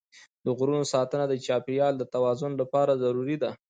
د غرونو ساتنه د چاپېریال د توازن لپاره ضروري ده.